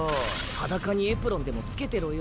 裸にエプロンでも着けてろよ。